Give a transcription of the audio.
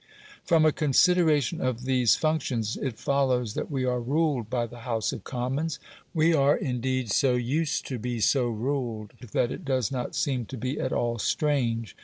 From a consideration of these functions, it follows that we are ruled by the House of Commons; we are, indeed, so used to be so ruled, that it does not seem to be at all strange.